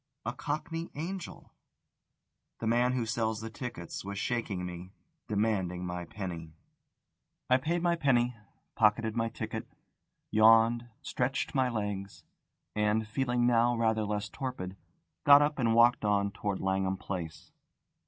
A cockney angel! The man who sells the tickets was shaking me, demanding my penny. I paid my penny, pocketed my ticket, yawned, stretched my legs, and, feeling now rather less torpid, got up and walked on towards Langham Place.